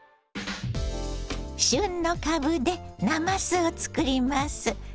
旬のかぶでなますを作ります。